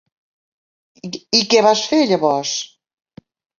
I què vas fer llavors?